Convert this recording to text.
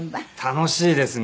楽しいですね。